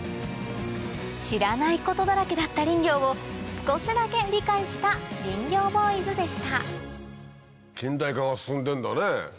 知らないことだらけだった林業を少しだけ理解した林業ボーイズでした近代化が進んでんだね。